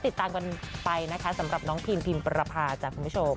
ติดตามกันไปนะคะสำหรับน้องพิมพิมประพาจ้ะคุณผู้ชม